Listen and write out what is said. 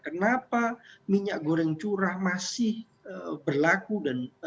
kenapa minyak goreng curah masih berlaku dan